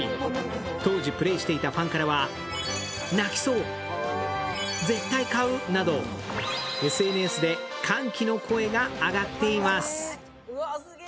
当時プレーしていたファンからは泣きそう、絶対買うなど、ＳＮＳで歓喜の声が上がっています。